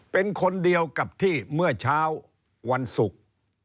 เป็นคนเดียวกับที่เมื่อเช้าวันศุกร์